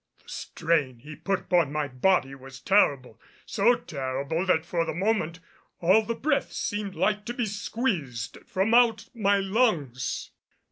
The strain he put upon my body was terrible, so terrible that for the moment all the breath seemed like to be squeezed from out my lungs.